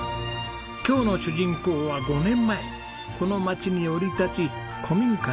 今日の主人公は５年前この町に降り立ち古民家の住人になりました。